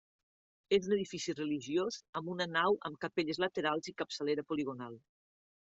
És un edifici religiós amb d'una nau amb capelles laterals i capçalera poligonal.